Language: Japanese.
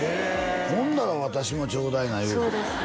ほんなら私もちょうだいなそうです